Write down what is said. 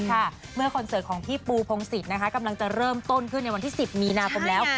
เมื่อคอนเสิร์ตของพี่ปูพงศิษย์กำลังจะเริ่มต้นขึ้นในวันที่๑๐มีนาคมแล้ว